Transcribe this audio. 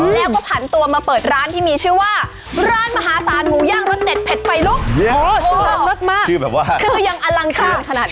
แล้วก็ผันตัวมาเปิดร้านที่มีชื่อว่าร้านมหาศาลหมูย่างรสเด็ดเผ็ดไฟลุกมากคือยังอลังการขนาดนี้